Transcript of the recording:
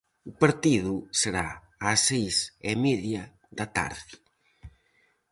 O partido será ás seis e media da tarde.